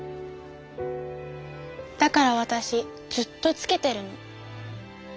だからわたしずっとつけてるの。